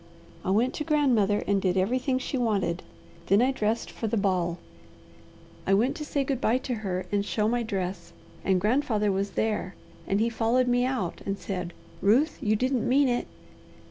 I went to grandmother and did everything she wanted, then I dressed for the ball. I went to say good bye to her and show my dress and grandfather was there, and he followed me out and said, 'Ruth, you didn't mean it?'